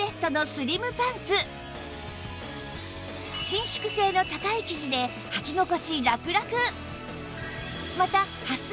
伸縮性の高い生地ではき心地ラクラク